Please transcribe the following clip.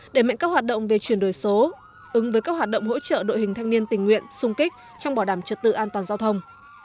để mệnh các hoạt động về chuyển đổi số ứng với các hoạt động hỗ trợ đội hình thanh niên tình nguyện sung kích trong bảo đảm trật tự an toàn giao thông